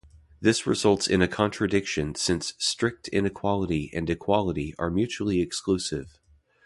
This results in a contradiction since strict inequality and equality are mutually exclusive.